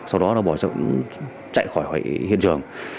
sau đó bỏ rốn chạy khỏi hiện trường